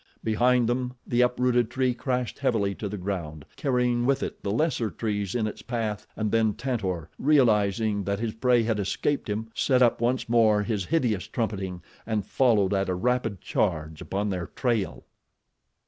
Behind them the uprooted tree crashed heavily to the ground, carrying with it the lesser trees in its path and then Tantor, realizing that his prey had escaped him, set up once more his hideous trumpeting and followed at a rapid charge upon their trail.